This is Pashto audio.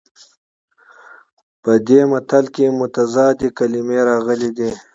په دې متل کې متضادې کلمې راغلي دي